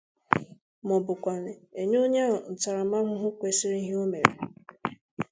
maọbụkwanụ e nye onye ahụ ntaramahụhụ kwesiri ihe o mere.